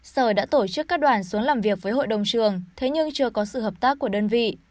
sở đã tổ chức các đoàn xuống làm việc với hội đồng trường thế nhưng chưa có sự hợp tác của đơn vị